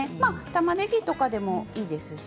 たまねぎでもいいですし。